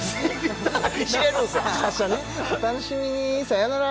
明日ねお楽しみにさよなら